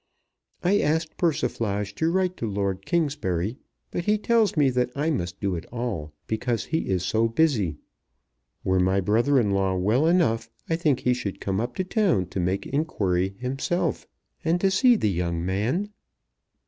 I asked Persiflage to write to Lord Kingsbury; but he tells me that I must do it all, because he is so busy. Were my brother in law well enough I think he should come up to town to make inquiry himself and to see the young man.